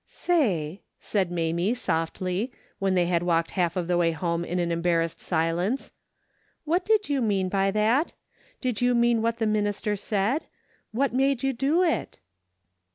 " Say," said Mamie, softly, when they had walked half of the way home in an embar rassed silence, " what did you mean by that ? Did you mean what the minister said ? What made you do it